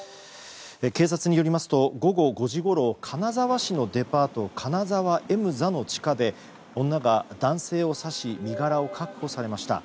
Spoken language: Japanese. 警察によりますと午後５時ごろ金沢市のデパート金沢エムザの地下で女が男性を刺し身柄を確保されました。